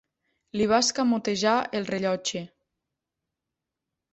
Li va escamotejar el rellotge.